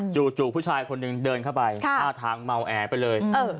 จู่ผู้ชายคนหนึ่งเดินเข้าไปท่าทางเมาแอไปเลย